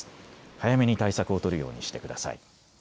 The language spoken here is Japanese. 早めに対策を取るようにしてください。